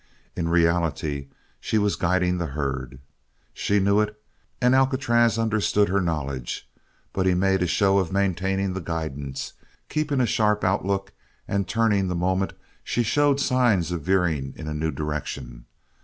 In reality she was guiding the herd. She knew it and Alcatraz understood her knowledge, but he made a show of maintaining the guidance, keeping a sharp outlook and turning the moment she showed signs of veering in a new direction.